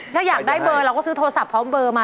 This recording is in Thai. ถ้าอยากได้เบอร์เราก็ซื้อโทรศัพท์พร้อมเบอร์มา